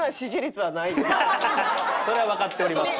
そりゃわかっております。